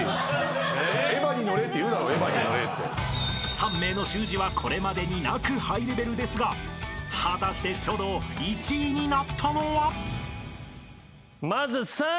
［３名の習字はこれまでになくハイレベルですが果たして書道１位になったのは？］